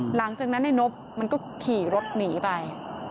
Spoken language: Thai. หลังจากนั้นนายนบมันก็ขี่รถหนีไป